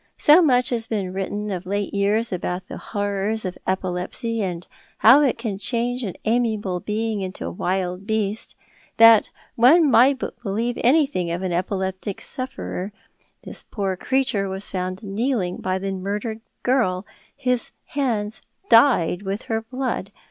So much has been written of lata years about the horrors of epilepsy — and how it can change an amiable being into a wild beast — that one may believe anything of an ei^ileptic sufferer. This poor creature was found kneeling by the murdered girl, his hands dyed with her blood.